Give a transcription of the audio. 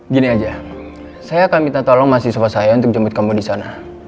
gini aja saya akan minta tolong mahasiswa saya untuk jemput kamu di sana